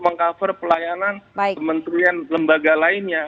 meng cover pelayanan kementerian lembaga lainnya